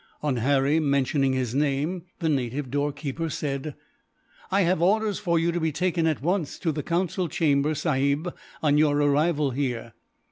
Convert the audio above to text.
On Harry mentioning his name, the native doorkeeper said: "I have orders for you to be taken, at once, to the Council chamber, sahib, on your arrival here."